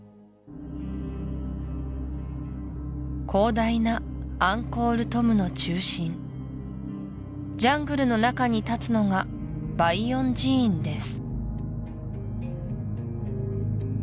広大なアンコール・トムの中心ジャングルの中に立つのがバイヨン寺院です